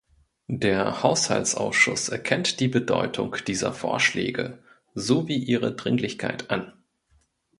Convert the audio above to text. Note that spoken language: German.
Der Haushaltsausschuss erkennt die Bedeutung dieser Vorschläge sowie ihre Dringlichkeit an.